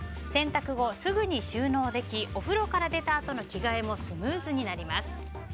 洗濯後、すぐに収納できお風呂から出たあとの着替えもスムーズになります。